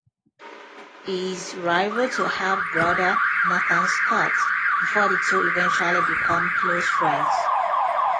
He is rival to half-brother Nathan Scott, before the two eventually become close friends.